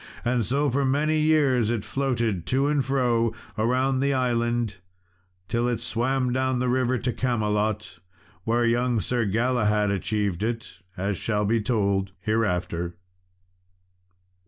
And so, for many years, it floated to and fro around the island, till it swam down the river to Camelot, where young Sir Galahad achieved it, as shall be told hereafter.